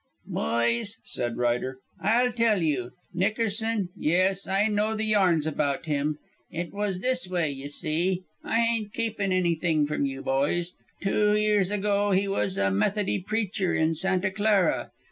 "Boys," said Ryder, "I'll tell you. Nickerson yes, I know the yarns about him. It was this way y'see, I ain't keeping anything from you, boys. Two years ago he was a Methody preacher in Santa Clara.